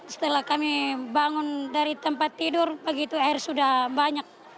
setelah kami bangun dari tempat tidur begitu air sudah banyak